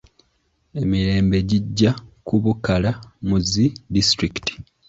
Emirembi gijja kubukala mu zi disitulikiti.